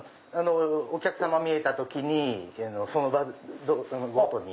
お客さまみえた時にその場ごとに。